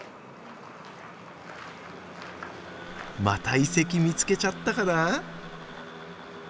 また遺跡見つけちゃったかな？